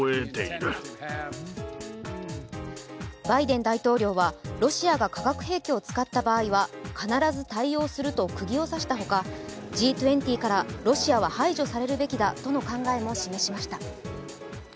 バイデン大統領はロシアが化学兵器を使った場合は必ず対応するとくぎを刺したほかＧ２０からロシアは排除されるべきだとの考えも示しました。